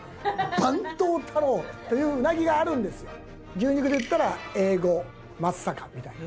牛肉でいったらＡ５松阪みたいな。